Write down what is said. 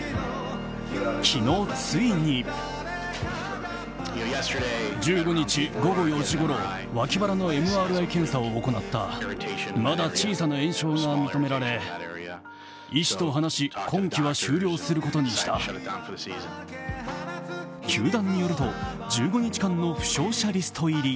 昨日、ついに球団によると、１５日間の負傷者リスト入り。